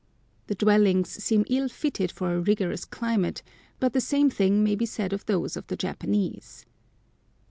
The dwellings seem ill fitted for a rigorous climate, but the same thing may be said of those of the Japanese.